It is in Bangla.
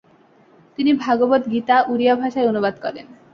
তিনি ভাগবত গীতা ওড়িয়া ভাষায় অনুবাদ করেন।